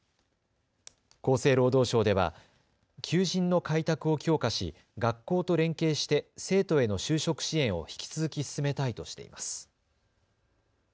厚生労働省では求人の開拓を強化し学校と連携して生徒への就職支援を引き続き進めたいとしています。